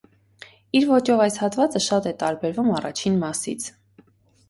Իր ոճով այս հատվածը շատ է տարբերվում առաջին մասից։